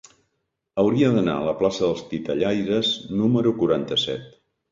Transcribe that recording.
Hauria d'anar a la plaça dels Titellaires número quaranta-set.